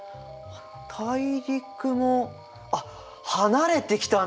大陸もあっ離れてきたね！